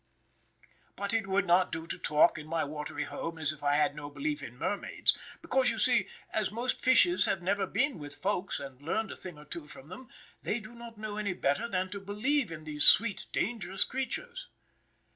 But it would not do to talk in my watery home as if I had no belief in mermaids, because, you see, as most fishes have never been with Folks, and learned a thing or two from them, they do not know any better than to believe in these sweet, dangerous creatures.